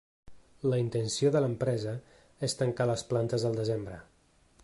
La intenció de l’empresa és tancar les plantes al desembre.